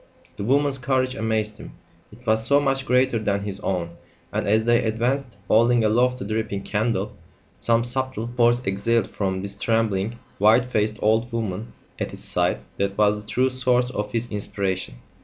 The woman's courage amazed him; it was so much greater than his own; and, as they advanced, holding aloft the dripping candle, some subtle force exhaled from this trembling, white faced old woman at his side that was the true source of his inspiration.